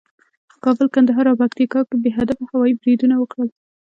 کابل، کندهار او پکتیکا کې بې هدفه هوایي بریدونه وکړل